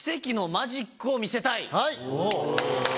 はい！